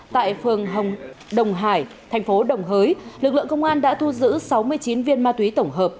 tại phường đồng hải thành phố đồng hới lực lượng công an đã thu giữ sáu mươi chín viên ma túy tổng hợp